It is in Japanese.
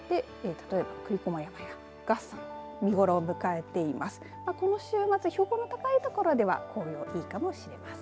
例えば栗駒山や月山見頃を迎えています。